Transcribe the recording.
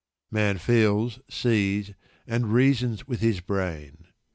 Man feels, sees, and reasons with his brain.